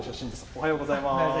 おはようございます。